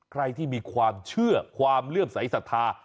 ใครที่มีความเชื่อความเลื่อมใสสัทธา